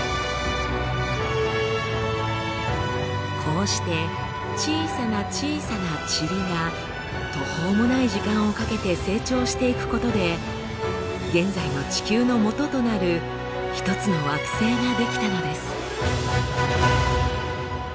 こうして小さな小さなチリが途方もない時間をかけて成長していくことで現在の地球のもととなる一つの惑星が出来たのです。